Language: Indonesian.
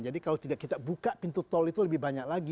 jadi kalau tidak kita buka pintu tol itu lebih banyak lagi